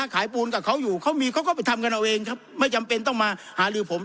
ปูนกับเขาอยู่เขามีเขาก็ไปทำกันเอาเองครับไม่จำเป็นต้องมาหาลือผม